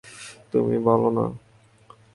তুমি বলো না?